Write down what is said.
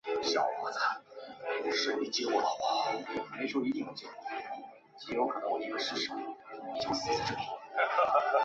古槐镇是中国福建省福州市长乐区下辖的一个镇。